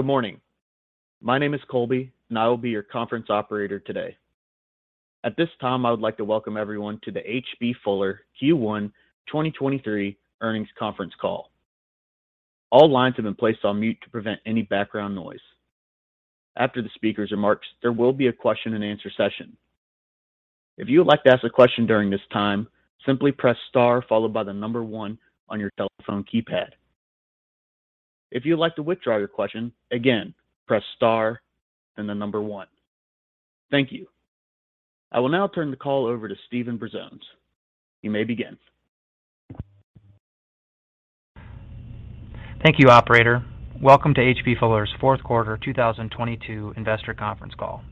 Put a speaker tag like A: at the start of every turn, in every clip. A: Good morning. My name is Colby, I will be your conference operator today. At this time, I would like to welcome everyone to the H.B. Fuller Q1 2023 earnings conference call. All lines have been placed on mute to prevent any background noise. After the speaker's remarks, there will be a question and answer session. If you would like to ask a question during this time, simply press star followed by the number one on your telephone keypad. If you would like to withdraw your question, again, press star and the number one. Thank you. I will now turn the call over to Steven Brazones. You may begin.
B: Thank you, operator. Welcome to H.B. Fuller's fourth quarter 2023 investor conference call.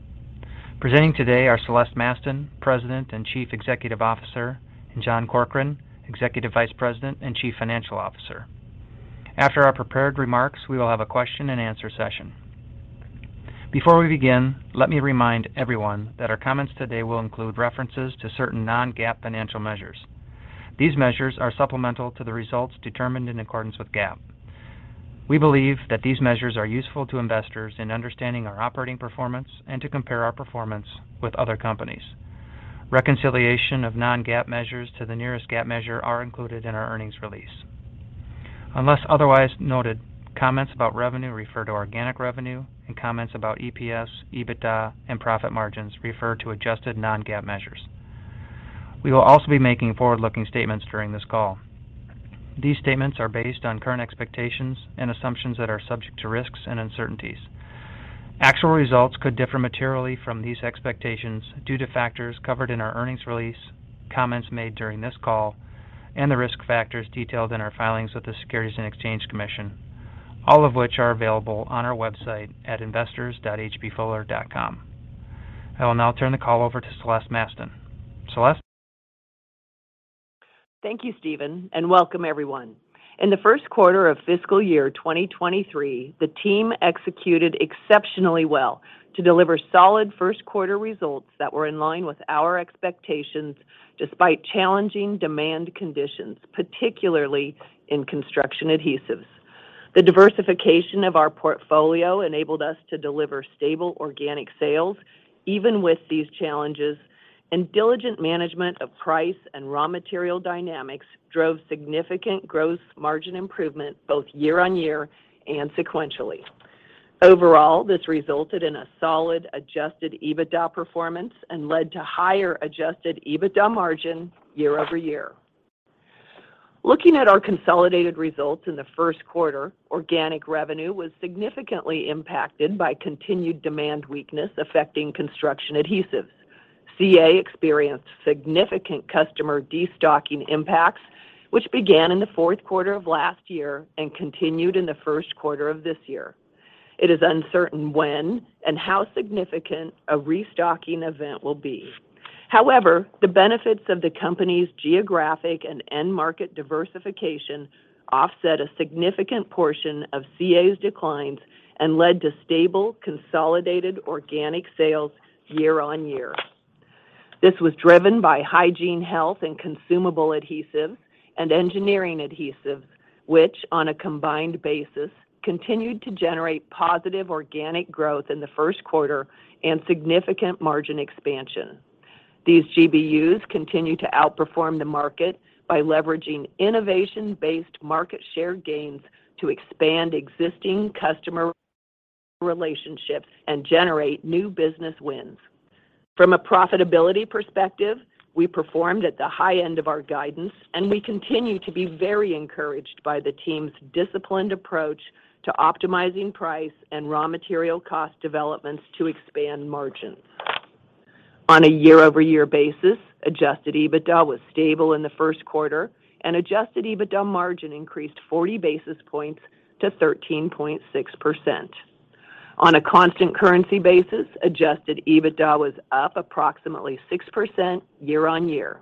B: Presenting today are Celeste Mastin, President and Chief Executive Officer, and John Corkrean, Executive Vice President and Chief Financial Officer. After our prepared remarks, we will have a question and answer session. Before we begin, let me remind everyone that our comments today will include references to certain non-GAAP financial measures. These measures are supplemental to the results determined in accordance with GAAP. We believe that these measures are useful to investors in understanding our operating performance and to compare our performance with other companies. Reconciliation of non-GAAP measures to the nearest GAAP measure are included in our earnings release. Unless otherwise noted, comments about revenue refer to organic revenue, and comments about EPS, EBITDA, and profit margins refer to adjusted non-GAAP measures. We will also be making forward-looking statements during this call. These statements are based on current expectations and assumptions that are subject to risks and uncertainties. Actual results could differ materially from these expectations due to factors covered in our earnings release, comments made during this call, and the risk factors detailed in our filings with the Securities and Exchange Commission, all of which are available on our website at investors.hbfuller.com. I will now turn the call over to Celeste Mastin. Celeste?
C: Thank you, Steven, and welcome everyone. In the first quarter of fiscal year 2023, the team executed exceptionally well to deliver solid first quarter results that were in line with our expectations despite challenging demand conditions, particularly in Construction Adhesives. The diversification of our portfolio enabled us to deliver stable organic sales even with these challenges, and diligent management of price and raw material dynamics drove significant gross margin improvement both year-over-year and sequentially. Overall, this resulted in a solid adjusted EBITDA performance and led to higher adjusted EBITDA margin year-over-year. Looking at our consolidated results in the first quarter, organic revenue was significantly impacted by continued demand weakness affecting Construction Adhesives. CA experienced significant customer destocking impacts, which began in the fourth quarter of last year and continued in the first quarter of this year. It is uncertain when and how significant a restocking event will be. The benefits of the company's geographic and end market diversification offset a significant portion of CA's declines and led to stable consolidated organic sales year-over-year. This was driven by Hygiene, Health, and Consumable Adhesives and Engineering Adhesives, which on a combined basis, continued to generate positive organic growth in the first quarter and significant margin expansion. These GBUs continue to outperform the market by leveraging innovation-based market share gains to expand existing customer relationships and generate new business wins. From a profitability perspective, we performed at the high end of our guidance. We continue to be very encouraged by the team's disciplined approach to optimizing price and raw material cost developments to expand margins. On a year-over-year basis, adjusted EBITDA was stable in the first quarter, and adjusted EBITDA margin increased 40 basis points to 13.6%. On a constant currency basis, adjusted EBITDA was up approximately 6% year-on year.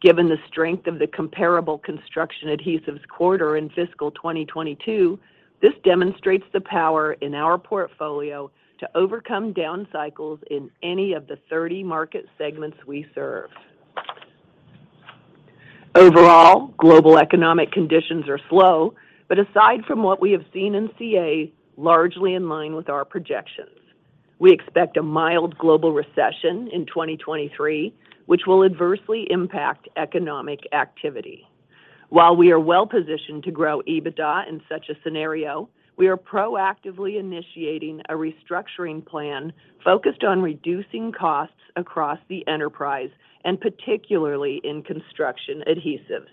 C: Given the strength of the comparable Construction Adhesives quarter in fiscal 2022, this demonstrates the power in our portfolio to overcome down cycles in any of the 30 market segments we serve. Overall, global economic conditions are slow, but aside from what we have seen in CA, largely in line with our projections. We expect a mild global recession in 2023, which will adversely impact economic activity. While we are well positioned to grow EBITDA in such a scenario, we are proactively initiating a restructuring plan focused on reducing costs across the enterprise and particularly in Construction Adhesives.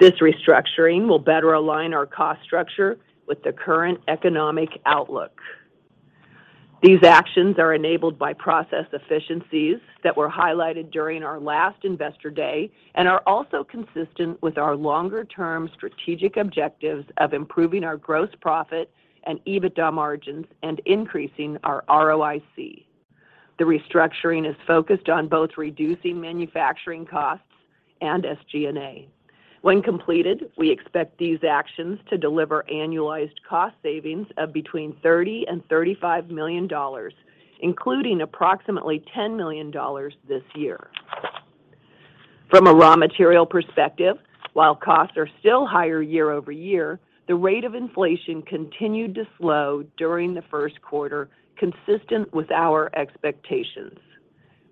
C: This restructuring will better align our cost structure with the current economic outlook. These actions are enabled by process efficiencies that were highlighted during our last Investor Day and are also consistent with our longer term strategic objectives of improving our gross profit and EBITDA margins and increasing our ROIC. The restructuring is focused on both reducing manufacturing costs and SG&A. When completed, we expect these actions to deliver annualized cost savings of between $30 million and $35 million, including approximately $10 million this year. From a raw material perspective, while costs are still higher year-over-year, the rate of inflation continued to slow during the first quarter, consistent with our expectations.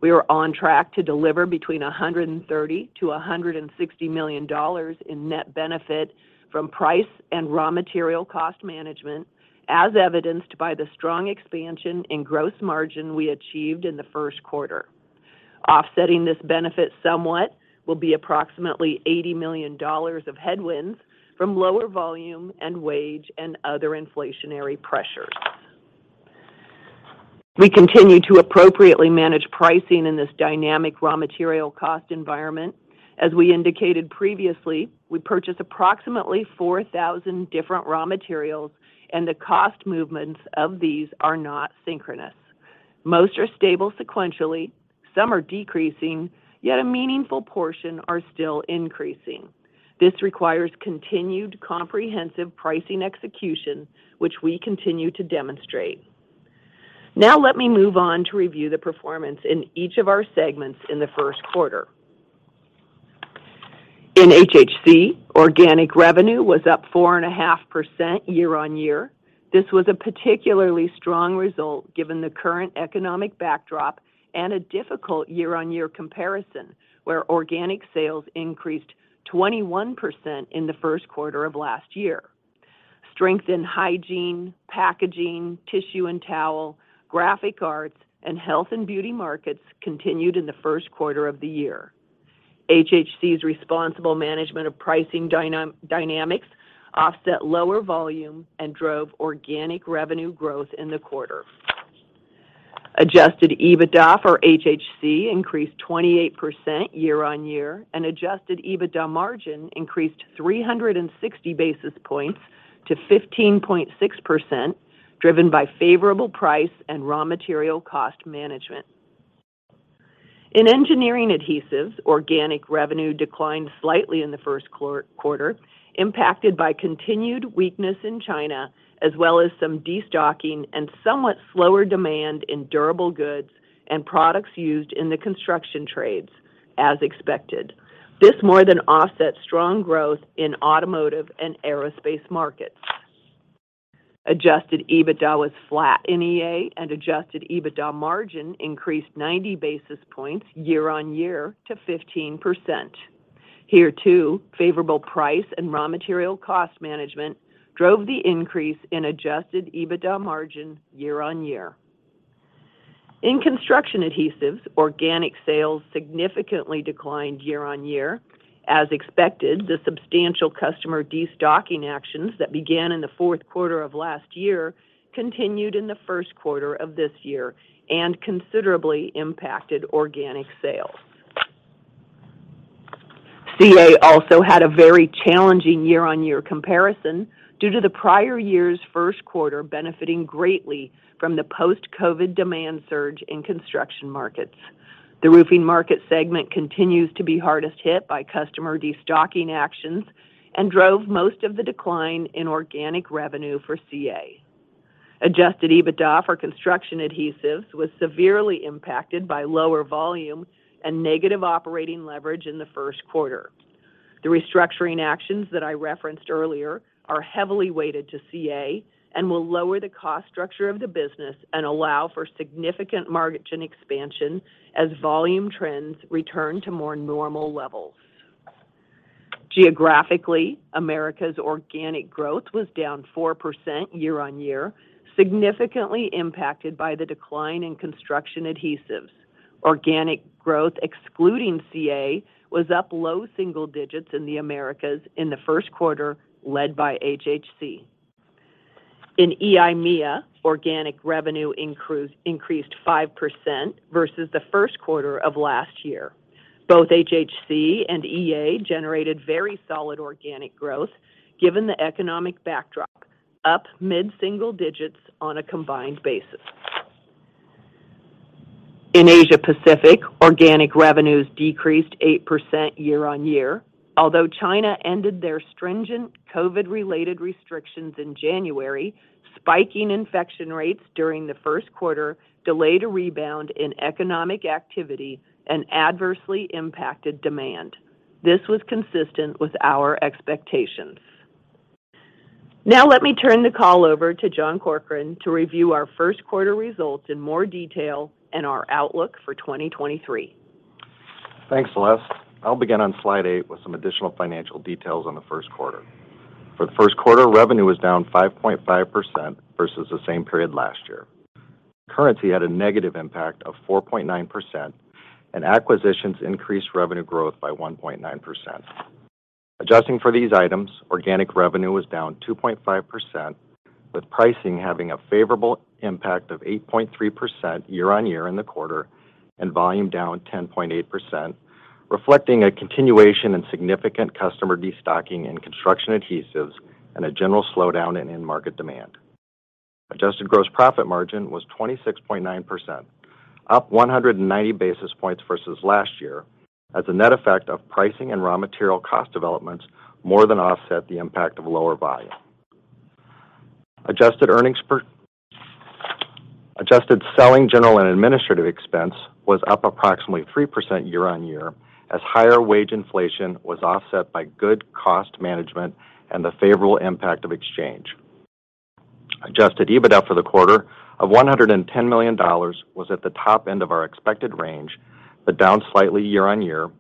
C: We are on track to deliver between $130 million-$160 million in net benefit from price and raw material cost management, as evidenced by the strong expansion in gross margin we achieved in the first quarter. Offsetting this benefit somewhat will be approximately $80 million of headwinds from lower volume and wage and other inflationary pressures. We continue to appropriately manage pricing in this dynamic raw material cost environment. As we indicated previously, we purchase approximately 4,000 different raw materials, and the cost movements of these are not synchronous. Most are stable sequentially, some are decreasing, yet a meaningful portion are still increasing. This requires continued comprehensive pricing execution, which we continue to demonstrate. Now let me move on to review the performance in each of our segments in the first quarter. In HHC, organic revenue was up 4.5% year-on-year. This was a particularly strong result given the current economic backdrop and a difficult year-on-year comparison, where organic sales increased 21% in the first quarter of last year. Strength in hygiene, packaging, tissue and towel, graphic arts, and health and beauty markets continued in the first quarter of the year. HHC's responsible management of pricing dynamics offset lower volume and drove organic revenue growth in the quarter. Adjusted EBITDA for HHC increased 28% year-on-year, and adjusted EBITDA margin increased 360 basis points to 15.6%, driven by favorable price and raw material cost management. In Engineering Adhesives, organic revenue declined slightly in the first quarter, impacted by continued weakness in China, as well as some destocking and somewhat slower demand in durable goods and products used in the construction trades, as expected. This more than offset strong growth in automotive and aerospace markets. Adjusted EBITDA was flat in EA, and adjusted EBITDA margin increased 90 basis points year-on-year to 15%. Here, too, favorable price and raw material cost management drove the increase in adjusted EBITDA margin year-on-year. In Construction Adhesives, organic sales significantly declined year-on-year. As expected, the substantial customer destocking actions that began in the fourth quarter of last year continued in the first quarter of this year and considerably impacted organic sales. CA also had a very challenging year-on-year comparison due to the prior year's first quarter benefiting greatly from the post-COVID demand surge in construction markets. The roofing market segment continues to be hardest hit by customer destocking actions and drove most of the decline in organic revenue for CA. Adjusted EBITDA for Construction Adhesives was severely impacted by lower volume and negative operating leverage in the first quarter. The restructuring actions that I referenced earlier are heavily weighted to CA and will lower the cost structure of the business and allow for significant margin expansion as volume trends return to more normal levels. Geographically, Americas organic growth was down 4% year-on-year, significantly impacted by the decline in Construction Adhesives. Organic growth excluding CA was up low single digits in the Americas in the first quarter, led by HHC. In EIMEA, organic revenue increased 5% versus the first quarter of last year. Both HHC and EA generated very solid organic growth given the economic backdrop, up mid-single digits on a combined basis. In Asia Pacific, organic revenues decreased 8% year-on-year. China ended their stringent COVID-related restrictions in January, spiking infection rates during the first quarter delayed a rebound in economic activity and adversely impacted demand. This was consistent with our expectations. Let me turn the call over to John Corkrean to review our first quarter results in more detail and our outlook for 2023.
D: Thanks, Celeste. I'll begin on slide eight with some additional financial details on the first quarter. For the first quarter, revenue was down 5.5% versus the same period last year. Currency had a negative impact of 4.9%, and acquisitions increased revenue growth by 1.9%. Adjusting for these items, organic revenue was down 2.5%, with pricing having a favorable impact of 8.3% year-on-year in the quarter and volume down 10.8%, reflecting a continuation in significant customer destocking in Construction Adhesives and a general slowdown in end market demand. Adjusted gross profit margin was 26.9%, up 190 basis points versus last year, as the net effect of pricing and raw material cost developments more than offset the impact of lower volume. Adjusted SG&A expense was up approximately 3% year-on-year as higher wage inflation was offset by good cost management and the favorable impact of exchange. Adjusted EBITDA for the quarter of $110 million was at the top end of our expected range, but down slightly year-on-year,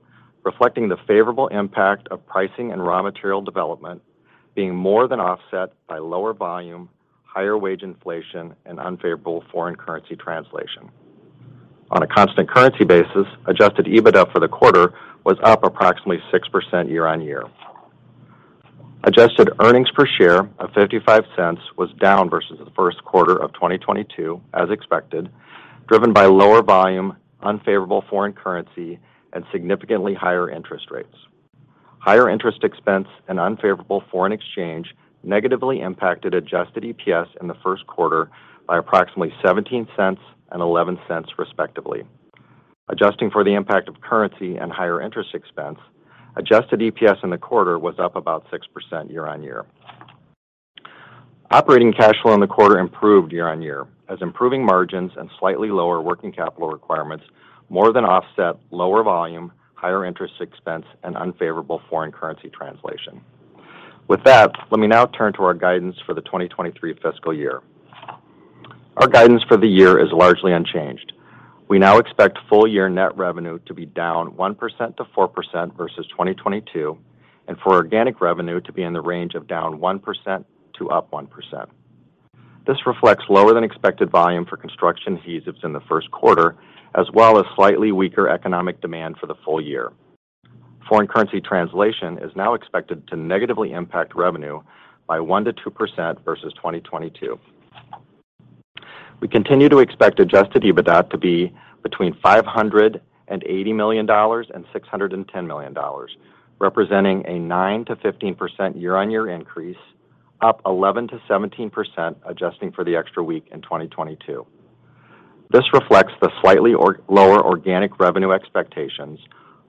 D: reflecting the favorable impact of pricing and raw material development being more than offset by lower volume, higher wage inflation and unfavorable foreign currency translation. On a constant currency basis, adjusted EBITDA for the quarter was up approximately 6% year-on-year. Adjusted EPS of $0.55 was down versus the first quarter of 2022 as expected, driven by lower volume, unfavorable foreign currency and significantly higher interest rates. Higher interest expense and unfavorable foreign exchange negatively impacted adjusted EPS in the first quarter by approximately $0.17 and $0.11, respectively. Adjusting for the impact of currency and higher interest expense, adjusted EPS in the quarter was up about 6% year-on-year. Operating cash flow in the quarter improved year-on-year as improving margins and slightly lower working capital requirements more than offset lower volume, higher interest expense and unfavorable foreign currency translation. Let me now turn to our guidance for the 2023 fiscal year. Our guidance for the year is largely unchanged. We now expect full year net revenue to be down 1%-4% versus 2022 and for organic revenue to be in the range of down 1% to up 1%. This reflects lower than expected volume for Construction Adhesives in the first quarter, as well as slightly weaker economic demand for the full year. Foreign currency translation is now expected to negatively impact revenue by 1%-2% versus 2022. We continue to expect adjusted EBITDA to be between $580 million and $610 million, representing a 9%-15% year-on-year increase, up 11%-17%, adjusting for the extra week in 2022. This reflects the slightly lower organic revenue expectations,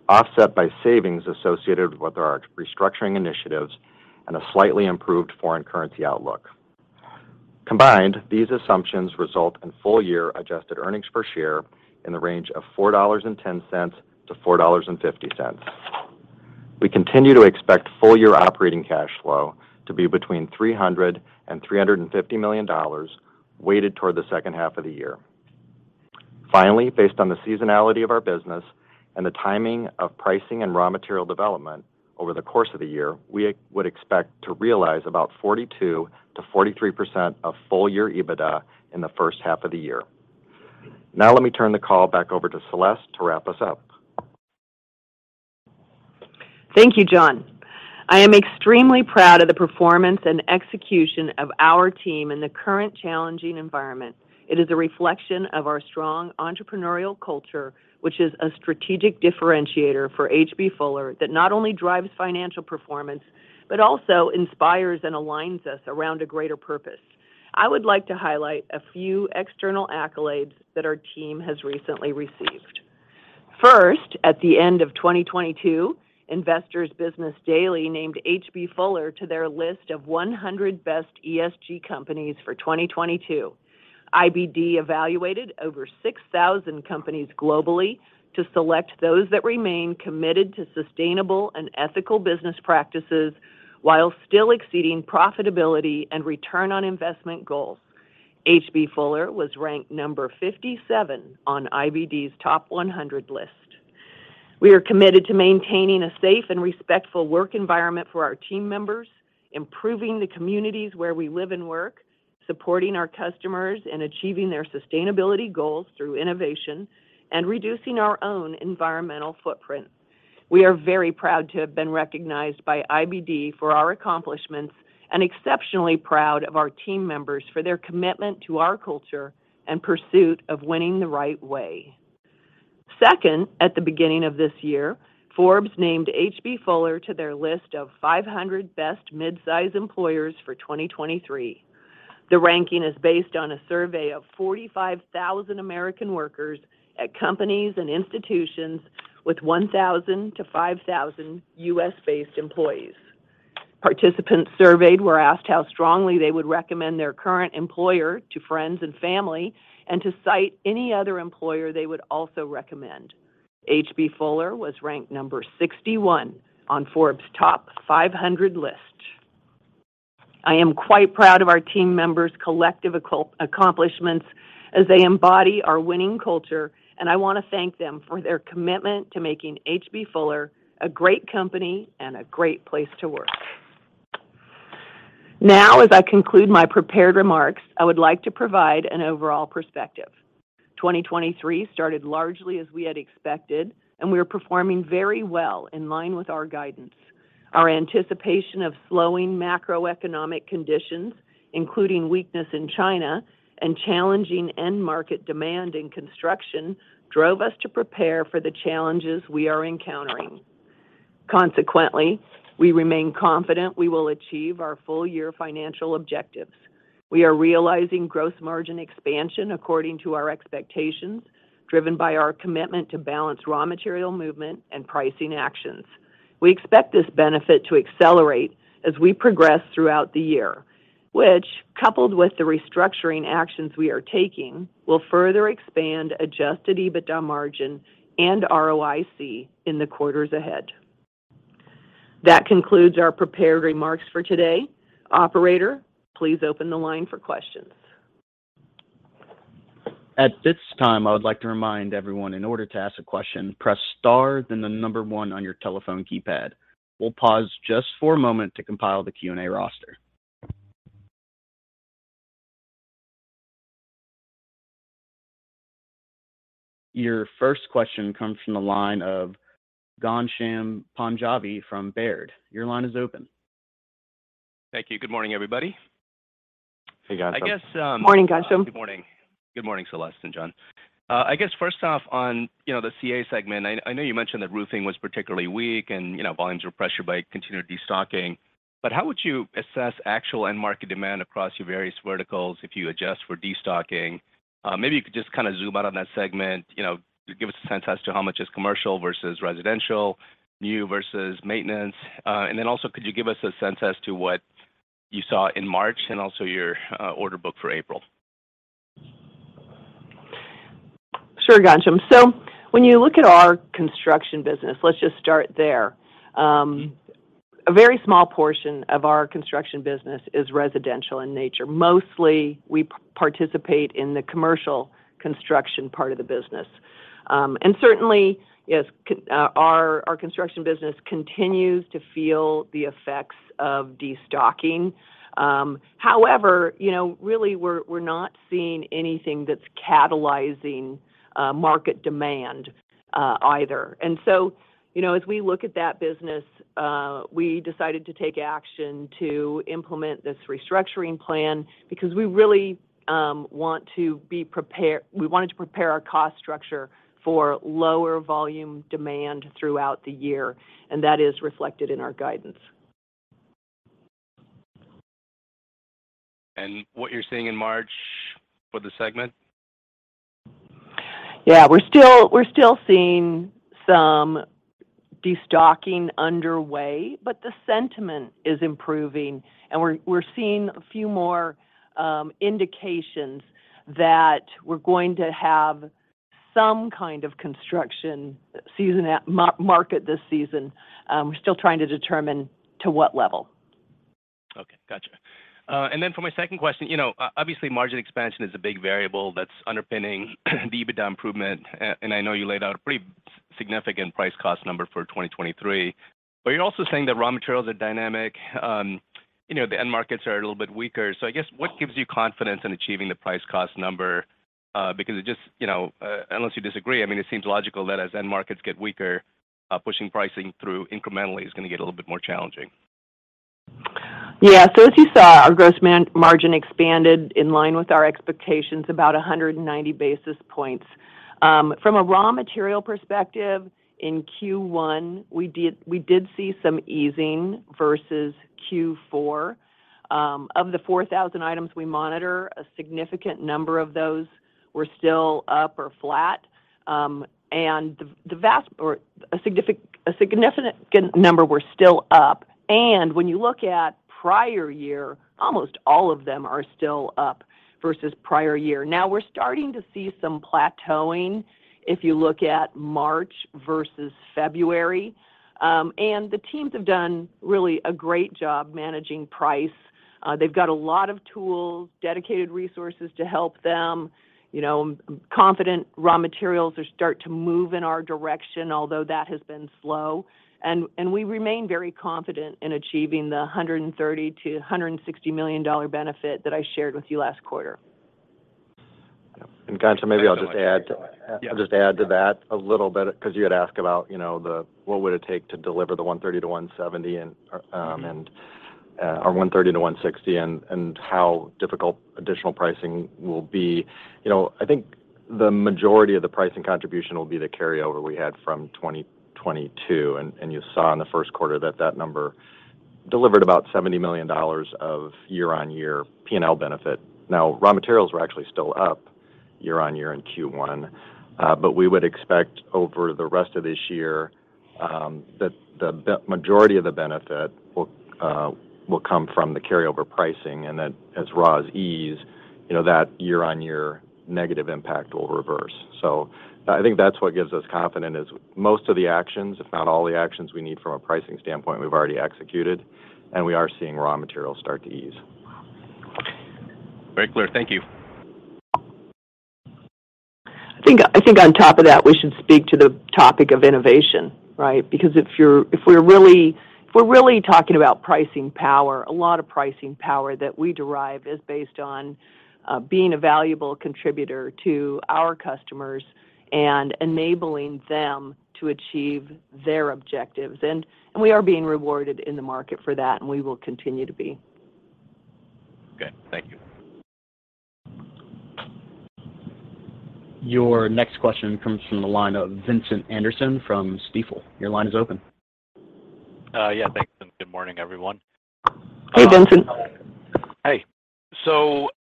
D: offset by savings associated with our restructuring initiatives and a slightly improved foreign currency outlook. Combined, these assumptions result in full year adjusted earnings per share in the range of $4.10-$4.50. We continue to expect full year operating cash flow to be between $300 million and $350 million, weighted toward the second half of the year. Finally, based on the seasonality of our business and the timing of pricing and raw material development over the course of the year, we would expect to realize about 42%-43% of full year EBITDA in the first half of the year. Let me turn the call back over to Celeste to wrap us up.
C: Thank you, John. I am extremely proud of the performance and execution of our team in the current challenging environment. It is a reflection of our strong entrepreneurial culture, which is a strategic differentiator for H.B. Fuller that not only drives financial performance, but also inspires and aligns us around a greater purpose. I would like to highlight a few external accolades that our team has recently received. First, at the end of 2022, Investor's Business Daily named H.B. Fuller to their list of 100 best ESG companies for 2022. IBD evaluated over 6,000 companies globally to select those that remain committed to sustainable and ethical business practices while still exceeding profitability and return on investment goals. H.B. Fuller was ranked number 57 on IBD's Top 100 list. We are committed to maintaining a safe and respectful work environment for our team members, improving the communities where we live and work, supporting our customers in achieving their sustainability goals through innovation, and reducing our own environmental footprint. We are very proud to have been recognized by IBD for our accomplishments and exceptionally proud of our team members for their commitment to our culture and pursuit of winning the right way. Second, at the beginning of this year, Forbes named H.B. Fuller to their list of 500 Best Mid size Employers for 2023. The ranking is based on a survey of 45,000 American workers at companies and institutions with 1,000 to 5,000 U.S.-based employees. Participants surveyed were asked how strongly they would recommend their current employer to friends and family, and to cite any other employer they would also recommend. H.B. Fuller was ranked number 61 on Forbes' Top 500 list. I am quite proud of our team members' collective accomplishments as they embody our winning culture. I want to thank them for their commitment to making H.B. Fuller a great company and a great place to work. As I conclude my prepared remarks, I would like to provide an overall perspective. 2023 started largely as we had expected. We are performing very well in line with our guidance. Our anticipation of slowing macroeconomic conditions, including weakness in China and challenging end market demand in construction, drove us to prepare for the challenges we are encountering. We remain confident we will achieve our full year financial objectives. We are realizing gross margin expansion according to our expectations, driven by our commitment to balance raw material movement and pricing actions. We expect this benefit to accelerate as we progress throughout the year, which, coupled with the restructuring actions we are taking, will further expand adjusted EBITDA margin and ROIC in the quarters ahead. That concludes our prepared remarks for today. Operator, please open the line for questions.
A: At this time, I would like to remind everyone, in order to ask a question, press star then the number one on your telephone keypad. We'll pause just for a moment to compile the Q&A roster. Your first question comes from the line of Ghansham Panjabi from Baird. Your line is open.
E: Thank you. Good morning, everybody.
D: Hey, Ghansham.
C: Good morning, Ghansham.
E: Good morning. Good morning, Celeste and John. I guess first off on, you know, the CA segment, I know you mentioned that roofing was particularly weak and, you know, volumes were pressured by continued destocking. How would you assess actual end market demand across your various verticals if you adjust for destocking? Maybe you could just kind of zoom out on that segment, you know, give us a sense as to how much is commercial versus residential, new versus maintenance. Also, could you give us a sense as to what you saw in March and also your order book for April?
C: Sure, Ghansham. When you look at our construction business, let's just start there. A very small portion of our construction business is residential in nature. Mostly, we participate in the commercial construction part of the business. Certainly, yes, our construction business continues to feel the effects of destocking. However, you know, really we're not seeing anything that's catalyzing market demand either. You know, as we look at that business, we decided to take action to implement this restructuring plan because we really wanted to prepare our cost structure for lower volume demand throughout the year, and that is reflected in our guidance.
E: What you're seeing in March for the segment?
C: We're still seeing some destocking underway, but the sentiment is improving, and we're seeing a few more indications that we're going to have some kind of construction season market this season. We're still trying to determine to what level.
E: Okay. Gotcha. For my second question, you know, obviously, margin expansion is a big variable that's underpinning the EBITDA improvement. I know you laid out a pretty significant price cost number for 2023. You're also saying that raw materials are dynamic. You know, the end markets are a little bit weaker. I guess what gives you confidence in achieving the price cost number? Because it just, you know, unless you disagree, I mean, it seems logical that as end markets get weaker, pushing pricing through incrementally is gonna get a little bit more challenging.
C: As you saw, our gross margin expanded in line with our expectations about 190 basis points. From a raw material perspective, in Q1, we did see some easing versus Q4. Of the 4,000 items we monitor, a significant number of those were still up or flat. A significant number were still up. When you look at prior year, almost all of them are still up versus prior year. We're starting to see some plateauing if you look at March versus February. The teams have done really a great job managing price. They've got a lot of tools, dedicated resources to help them, you know, confident raw materials are start to move in our direction, although that has been slow. We remain very confident in achieving the $130 million-$160 million benefit that I shared with you last quarter.
D: Ghansham, maybe I'll just add.
E: Yeah.
D: I'll just add to that a little bit because you had asked about, you know, what would it take to deliver the $130 million-$170 million and or $130 million-$160 million and how difficult additional pricing will be. You know, I think the majority of the pricing contribution will be the carryover we had from 2022, and you saw in the first quarter that that number delivered about $70 million of year-on-year P&L benefit. Now raw materials were actually still up year-on-year in Q1, but we would expect over the rest of this year that the majority of the benefit will come from the carryover pricing and that as raws ease, you know, that year-on-year negative impact will reverse. I think that's what gives us confident is most of the actions, if not all the actions we need from a pricing standpoint, we've already executed, and we are seeing raw materials start to ease.
E: Very clear. Thank you.
C: I think on top of that, we should speak to the topic of innovation, right? If we're really talking about pricing power, a lot of pricing power that we derive is based on being a valuable contributor to our customers and enabling them to achieve their objectives. We are being rewarded in the market for that, and we will continue to be.
E: Okay. Thank you.
A: Your next question comes from the line of Vincent Anderson from Stifel. Your line is open.
F: Yeah, thanks, good morning, everyone.
C: Hey, Vincent.
F: Hey.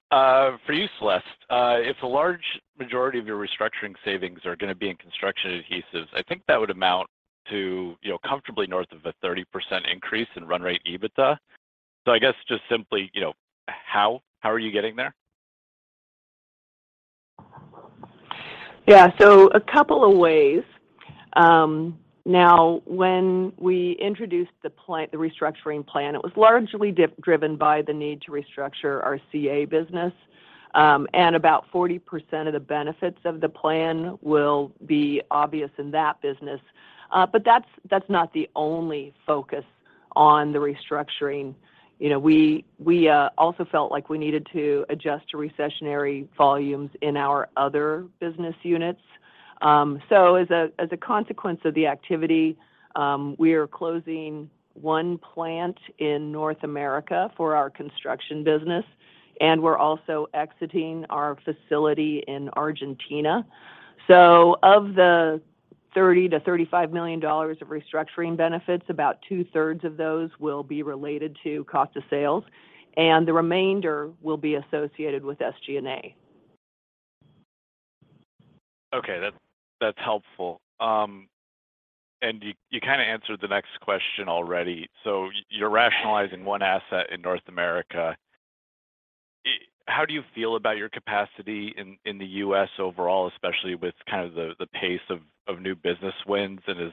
F: For you, Celeste, if a large majority of your restructuring savings are gonna be in Construction Adhesives, I think that would amount to, you know, comfortably north of a 30% increase in run rate EBITDA. I guess just simply, you know, how are you getting there?
C: A couple of ways. Now when we introduced the plan, the restructuring plan, it was largely driven by the need to restructure our CA business, and about 40% of the benefits of the plan will be obvious in that business. That's not the only focus on the restructuring. You know, we also felt like we needed to adjust to recessionary volumes in our other business units. As a consequence of the activity, we are closing one plant in North America for our construction business, and we're also exiting our facility in Argentina. Of the $30 million-$35 million of restructuring benefits, about two-thirds of those will be related to cost of sales, and the remainder will be associated with SG&A.
F: Okay. That's helpful. You kinda answered the next question already. You're rationalizing one asset in North America. How do you feel about your capacity in the U.S. overall, especially with kind of the pace of new business wins? Is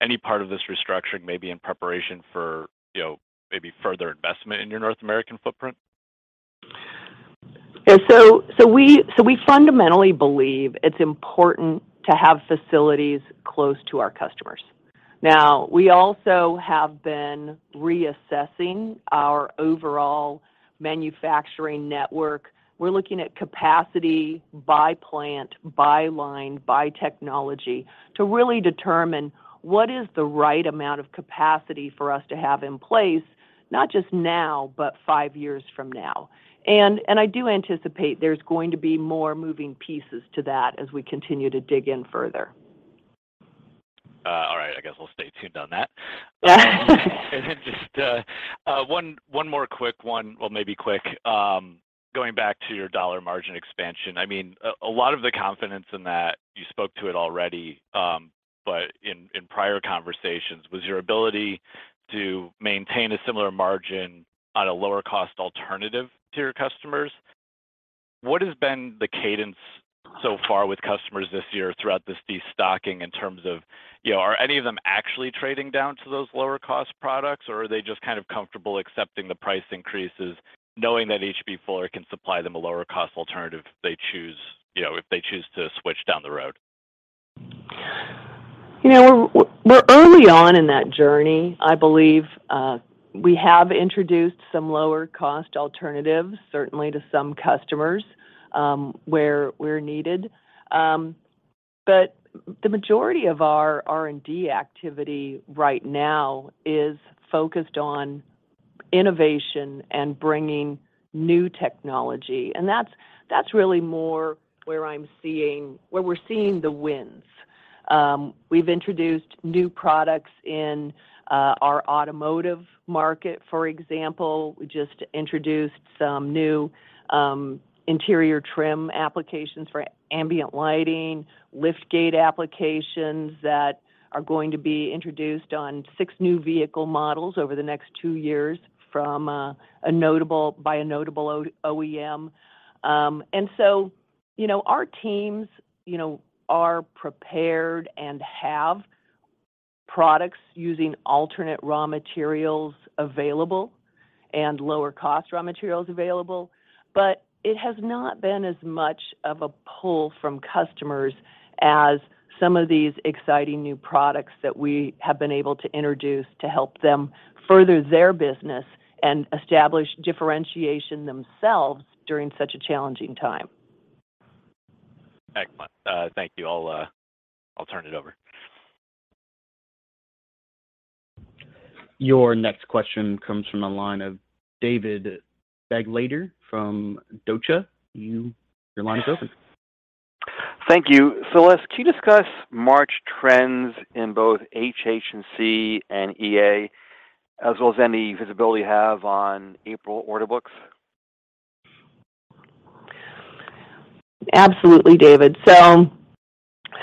F: any part of this restructuring may be in preparation for, you know, maybe further investment in your North American footprint?
C: Yeah. We fundamentally believe it's important to have facilities close to our customers. We also have been reassessing our overall manufacturing network. We're looking at capacity by plant, by line, by technology to really determine what is the right amount of capacity for us to have in place, not just now, but five years from now. I do anticipate there's going to be more moving pieces to that as we continue to dig in further.
F: All right. I guess we'll stay tuned on that. Just one more quick one. Well, maybe quick. Going back to your dollar margin expansion. I mean, a lot of the confidence in that, you spoke to it already, but in prior conversations, was your ability to maintain a similar margin on a lower cost alternative to your customers. What has been the cadence so far with customers this year throughout this destocking in terms of, you know, are any of them actually trading down to those lower cost products, or are they just kind of comfortable accepting the price increases knowing that H.B. Fuller can supply them a lower cost alternative if they choose, you know, if they choose to switch down the road?
C: You know, we're early on in that journey. I believe, we have introduced some lower cost alternatives, certainly to some customers, where we're needed. But the majority of our R&D activity right now is focused on innovation and bringing new technology, and that's really more where we're seeing the wins. We've introduced new products in our automotive market, for example. We just introduced some new interior trim applications for ambient lighting, lift gate applications that are going to be introduced on six new vehicle models over the next two years from a by a notable OEM. You know, our teams, you know, are prepared and have products using alternate raw materials available and lower cost raw materials available, but it has not been as much of a pull from customers as some of these exciting new products that we have been able to introduce to help them further their business and establish differentiation themselves during such a challenging time.
F: Excellent. Thank you. I'll turn it over.
A: Your next question comes from the line of David Begleiter from Deutsche. Your line is open.
G: Thank you. Celeste, can you discuss March trends in both HHC and EA, as well as any visibility you have on April order books?
C: Absolutely, David. So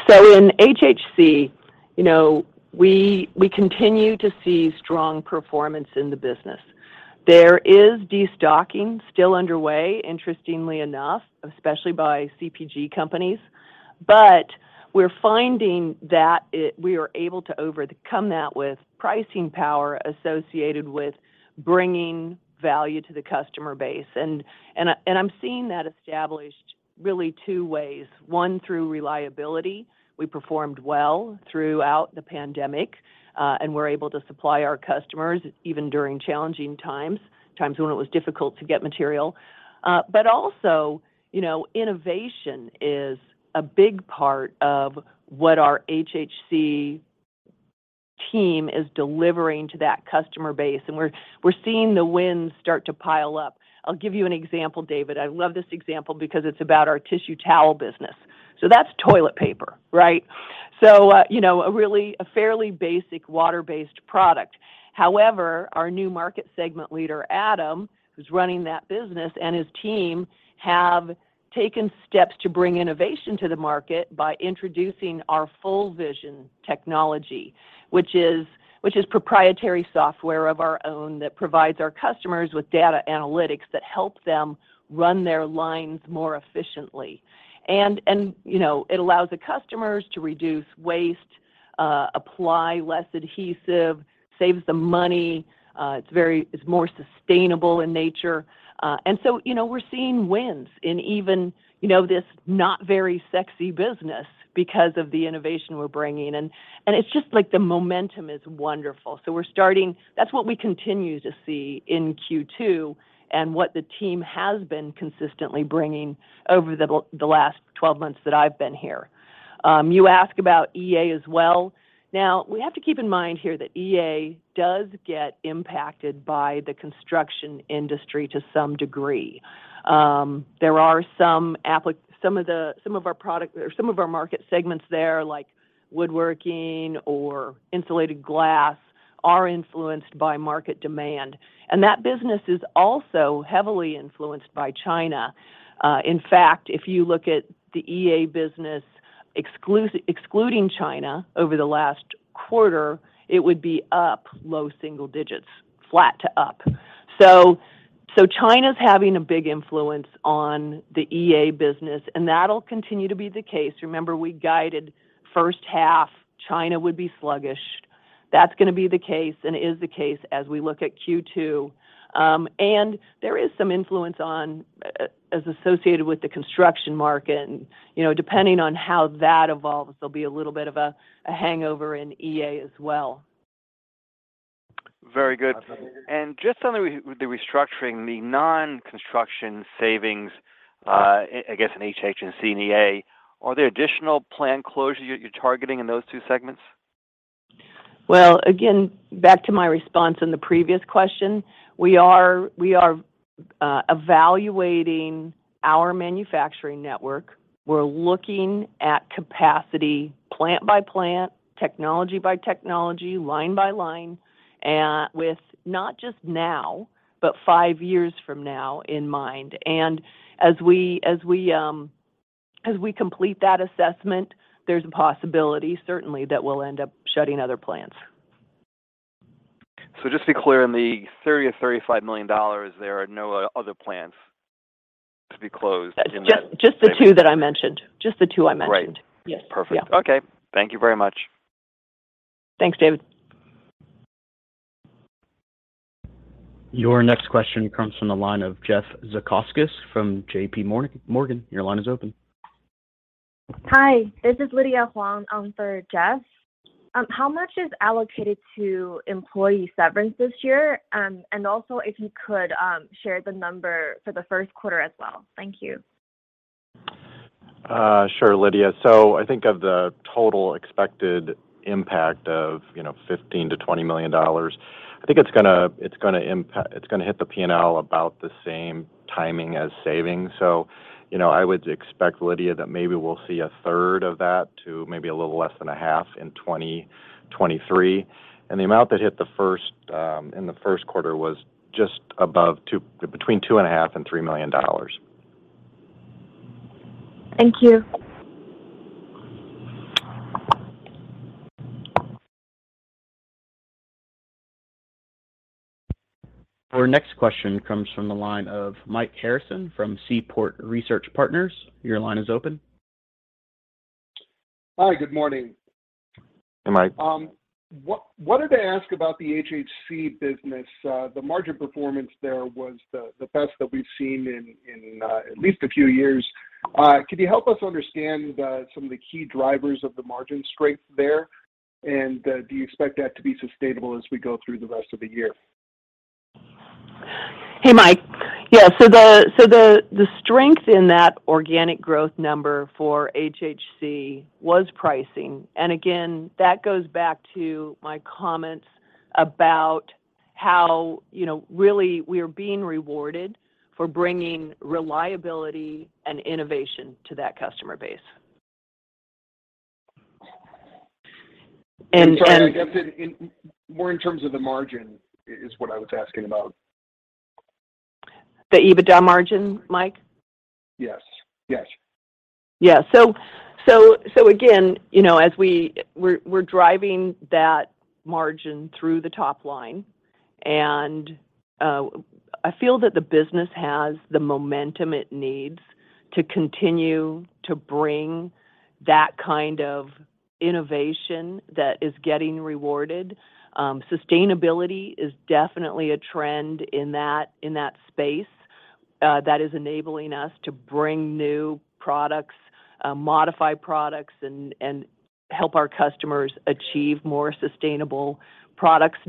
C: in HHC, you know, we continue to see strong performance in the business. There is destocking still underway, interestingly enough, especially by CPG companies, but we're finding that we are able to overcome that with pricing power associated with bringing value to the customer base. And I'm seeing that established really two ways. One, through reliability. We performed well throughout the pandemic, and we're able to supply our customers even during challenging times when it was difficult to get material. But also, you know, innovation is a big part of what our HHC team is delivering to that customer base, and we're seeing the wins start to pile up. I'll give you an example, David. I love this example because it's about our tissue towel business. That's toilet paper, right? A fairly basic water-based product. However, our new market segment leader, Adam, who's running that business, and his team have taken steps to bring innovation to the market by introducing our FullVision technology, which is proprietary software of our own that provides our customers with data analytics that help them run their lines more efficiently. You know, it allows the customers to reduce waste, apply less adhesive, saves them money, it's more sustainable in nature. You know, we're seeing wins in even, you know, this not very sexy business because of the innovation we're bringing. It's just like the momentum is wonderful. We're starting... That's what we continue to see in Q2, and what the team has been consistently bringing over the last 12 months that I've been here. You ask about EA as well. We have to keep in mind here that EA does get impacted by the construction industry to some degree. There are some of our market segments there, like woodworking or insulated glass, are influenced by market demand, and that business is also heavily influenced by China. In fact, if you look at the EA business excluding China over the last quarter, it would be up low single digits, flat to up. So China's having a big influence on the EA business, and that'll continue to be the case. Remember, we guided first half, China would be sluggish. That's gonna be the case and is the case as we look at Q2. There is some influence on as associated with the construction market. You know, depending on how that evolves, there'll be a little bit of a hangover in EA as well.
G: Very good. just on the restructuring, the non-construction savings, I guess in HHC and EA, are there additional plant closures you're targeting in those two segments?
C: Well, again, back to my response in the previous question, we are evaluating our manufacturing network. We're looking at capacity plant by plant, technology by technology, line by line, with not just now, but five years from now in mind. As we complete that assessment, there's a possibility certainly that we'll end up shutting other plants.
G: Just to be clear, in the $30 million-$35 million, there are no other plants to be closed in the.
C: Just the two that I mentioned. Just the two I mentioned.
G: Right.
C: Yes.
G: Perfect.
C: Yeah.
G: Okay. Thank you very much.
C: Thanks, David.
A: Your next question comes from the line of Jeff Zekauskas from JPMorgan. Your line is open.
H: Hi, this is Lydia Huang on for Jeff. How much is allocated to employee severance this year? Also if you could, share the number for the first quarter as well. Thank you.
D: Sure, Lydia. I think of the total expected impact of, you know, $15 million-$20 million, I think it's gonna hit the P&L about the same timing as savings. You know, I would expect, Lydia, that maybe we'll see 1/3 of that to maybe a little less than a half in 2023. The amount that hit the first in the first quarter was between $2.5 million and $3 million.
H: Thank you.
A: Our next question comes from the line of Mike Harrison from Seaport Research Partners. Your line is open.
I: Hi, good morning.
D: Hey, Mike.
I: Wanted to ask about the HHC business. The margin performance there was the best that we've seen in at least a few years. Could you help us understand some of the key drivers of the margin strength there? Do you expect that to be sustainable as we go through the rest of the year?
C: Hey, Mike. Yeah, the strength in that organic growth number for HHC was pricing. Again, that goes back to my comments about how, you know, really we're being rewarded for bringing reliability and innovation to that customer base.
I: Sorry. I guess in more in terms of the margin is what I was asking about.
C: The EBITDA margin, Mike?
I: Yes. Yes.
C: Yeah. Again, you know, as we're driving that margin through the top line, and I feel that the business has the momentum it needs to continue to bring that kind of innovation that is getting rewarded. Sustainability is definitely a trend in that space, that is enabling us to bring new products, modify products and help our customers achieve more sustainable products.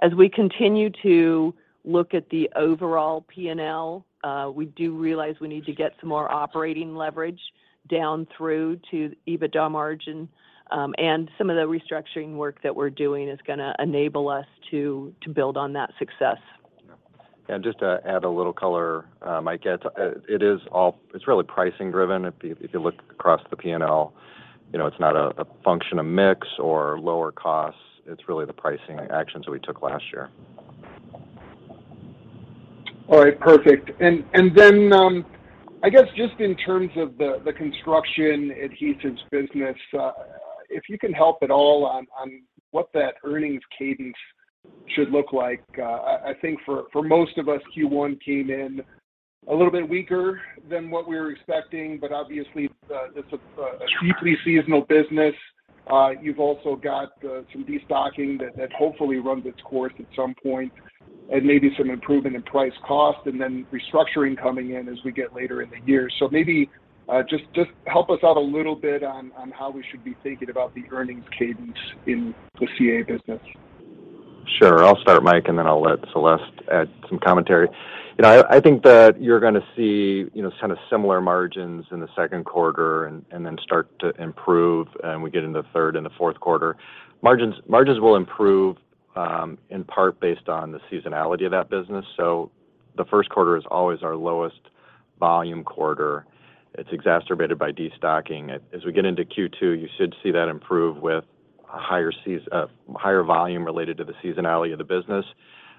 C: As we continue to look at the overall P&L, we do realize we need to get some more operating leverage down through to EBITDA margin, and some of the restructuring work that we're doing is gonna enable us to build on that success.
D: Just to add a little color, Mike, it's really pricing driven. If you look across the P&L, you know, it's not a function of mix or lower costs, it's really the pricing actions that we took last year.
I: All right. Perfect. Then, I guess just in terms of the Construction Adhesives business, if you can help at all on what that earnings cadence should look like. I think for most of us, Q1 came in a little bit weaker than what we were expecting, but obviously it's a deeply seasonal business. You've also got some destocking that hopefully runs its course at some point, and maybe some improvement in price cost, and then restructuring coming in as we get later in the year. Maybe, just help us out a little bit on how we should be thinking about the earnings cadence in the CA business.
D: Sure. I'll start, Mike, and then I'll let Celeste add some commentary. You know, I think that you're gonna see, you know, kind of similar margins in the second quarter and then start to improve, we get into the third and the fourth quarter. Margins will improve in part based on the seasonality of that business, so the first quarter is always our lowest volume quarter. It's exacerbated by destocking. As we get into Q2, you should see that improve with a higher volume related to the seasonality of the business.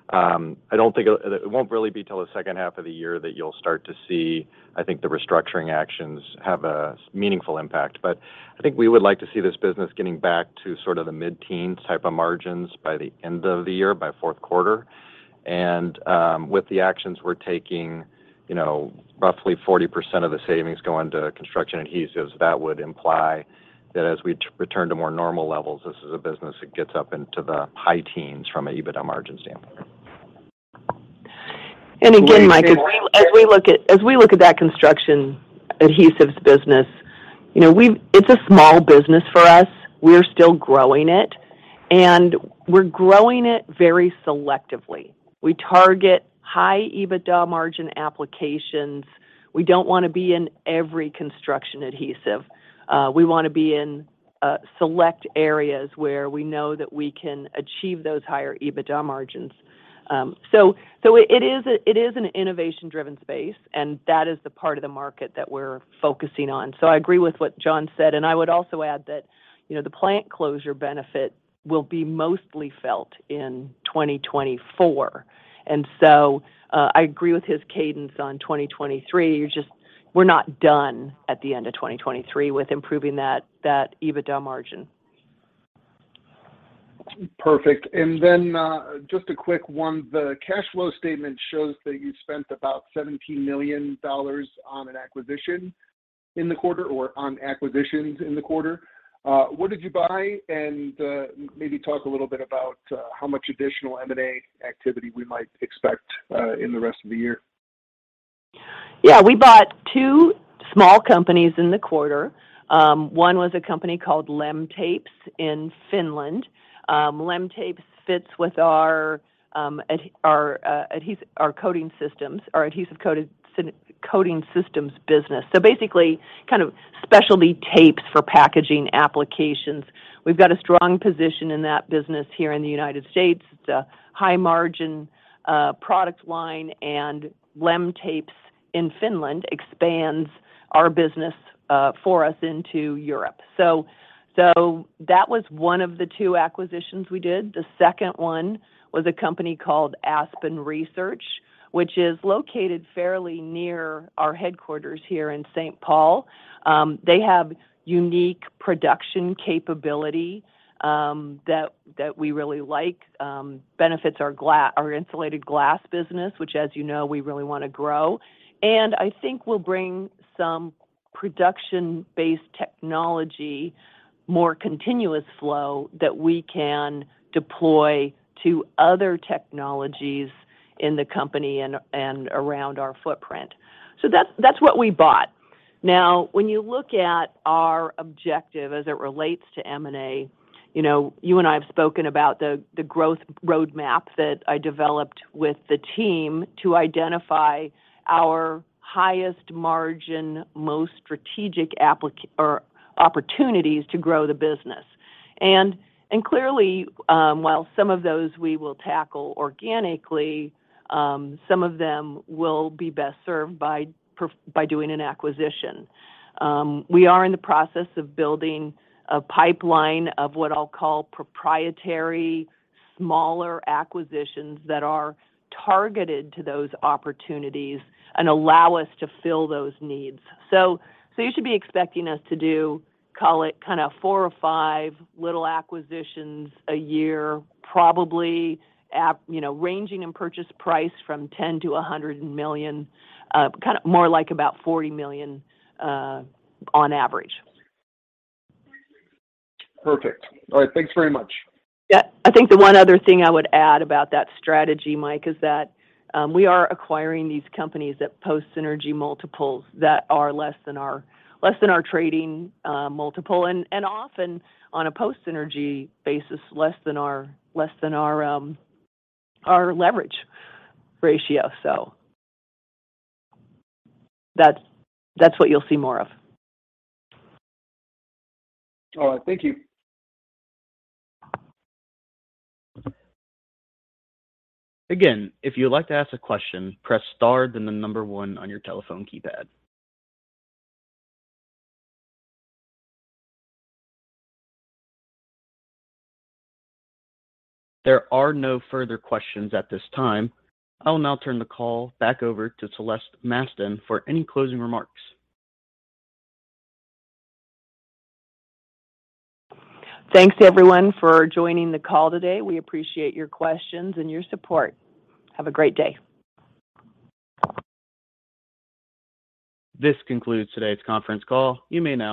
D: I don't think It won't really be till the second half of the year that you'll start to see, I think, the restructuring actions have a meaningful impact. I think we would like to see this business getting back to sort of the mid-teens type of margins by the end of the year, by fourth quarter. With the actions we're taking, you know, roughly 40% of the savings go into Construction Adhesives, that would imply that as we return to more normal levels, this is a business that gets up into the high teens from an EBITDA margin standpoint.
C: Again, Mike, as we look at that Construction Adhesives business, you know, It's a small business for us. We're still growing it, and we're growing it very selectively. We target high EBITDA margin applications. We don't wanna be in every Construction Adhesive. We wanna be in select areas where we know that we can achieve those higher EBITDA margins. So it is an innovation-driven space, and that is the part of the market that we're focusing on. I agree with what John said, and I would also add that, you know, the plant closure benefit will be mostly felt in 2024. I agree with his cadence on 2023, We're not done at the end of 2023 with improving that EBITDA margin.
I: Perfect. Then, just a quick one. The cash flow statement shows that you spent about $17 million on an acquisition in the quarter or on acquisitions in the quarter. What did you buy? Maybe talk a little bit about how much additional M&A activity we might expect in the rest of the year.
C: We bought two small companies in the quarter. One was a company called Lemtapes in Finland. Lemtapes fits with our coating systems, our adhesive coating systems business. Basically, kind of specialty tapes for packaging applications. We've got a strong position in that business here in the United States. It's a high margin product line, and Lemtapes in Finland expands our business for us into Europe. That was one of the two acquisitions we did. The second one was a company called Aspen Research, which is located fairly near our headquarters here in St. Paul. They have unique production capability that we really like. Benefits our insulated glass business, which, as you know, we really wanna grow. I think will bring some production-based technology, more continuous flow that we can deploy to other technologies in the company and around our footprint. That's what we bought. Now, when you look at our objective as it relates to M&A, you know, you and I have spoken about the growth roadmap that I developed with the team to identify our highest margin, most strategic opportunities to grow the business. Clearly, while some of those we will tackle organically, some of them will be best served by doing an acquisition. We are in the process of building a pipeline of what I'll call proprietary smaller acquisitions that are targeted to those opportunities and allow us to fill those needs. you should be expecting us to do, call it kinda four or five little acquisitions a year, probably at, you know, ranging in purchase price from $10 million-$100 million. kind of more like about $40 million on average.
I: Perfect. All right. Thanks very much.
C: Yeah. I think the one other thing I would add about that strategy, Mike, is that, we are acquiring these companies at post-synergy multiples that are less than our trading multiple, and often on a post-synergy basis, less than our leverage ratio. That's what you'll see more of.
I: All right. Thank you.
A: Again, if you would like to ask a question, press star then the number one on your telephone keypad. There are no further questions at this time. I'll now turn the call back over to Celeste Mastin for any closing remarks.
C: Thanks everyone for joining the call today. We appreciate your questions and your support. Have a great day.
A: This concludes today's conference call. You may now.